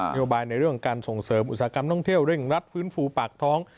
โยบายในเรื่องการส่งเสริมอุตสาหกรรมท่องเที่ยวเร่งรัดฟื้นฟูปากท้อง